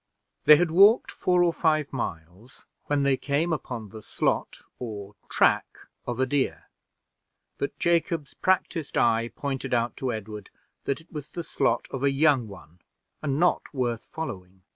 They had walked four or five miles when they came upon the slot or track of a deer, but Jacob's practiced eye pointed out to Edward that it was the slot of a young one, and not worth following.